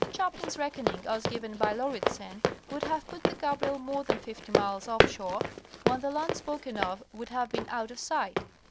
Chaplin's reckoning as given by Lauridsen would have put the Gabriel more than fifty miles off shore when the land spoken of would have been out of sight.